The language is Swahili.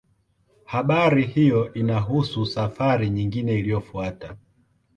Habari hiyo inahusu safari nyingine iliyofuata.